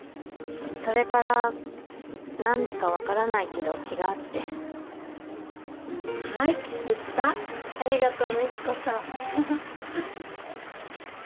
それから何でか分からないけど気が合ってはいできたありがとう美貴子さん